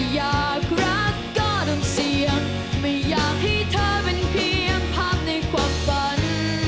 อยากรักกล้าดำเสี่ยงไม่อยากให้เธอเป็นเพียงภาพในความฝัน